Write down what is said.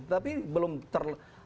tapi belum ter